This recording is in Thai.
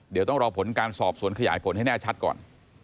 เดี๋ยวต้องรอผลการสอบสวนขยายผลให้แน่ชัดก่อน